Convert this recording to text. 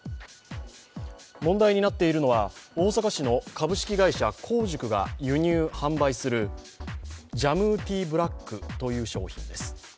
問題になっているのは、大阪市の株式会社香塾が輸入・販売するジャムティーブラックという商品です。